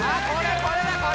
これこれ！